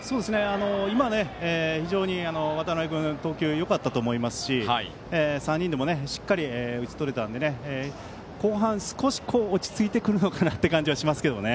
今、非常に渡辺君投球よかったと思いますし３人でもしっかり打ち取れたので後半、少し落ち着いてくるのかなという感じもありますね。